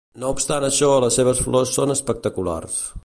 No obstant això, les seves flors són espectaculars.